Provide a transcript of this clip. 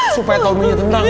supaya tommy tenang bu